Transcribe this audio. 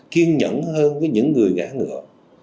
kiên nhẫn hơn với những người gã ngựa